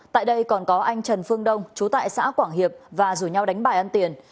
tại đây còn có anh trần phương đông chú tại xã quảng hiệp và rủ nhau đánh bài ăn tiền